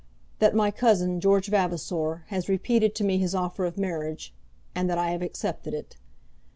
"that my cousin, George Vavasor, has repeated to me his offer of marriage, and that I have accepted it.